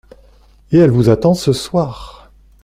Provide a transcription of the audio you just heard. Et elle vous attend ce soir.